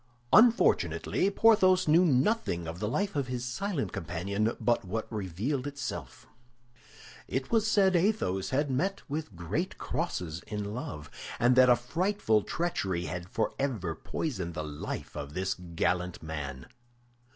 Unfortunately Porthos knew nothing of the life of his silent companion but what revealed itself. It was said Athos had met with great crosses in love, and that a frightful treachery had forever poisoned the life of this gallant man.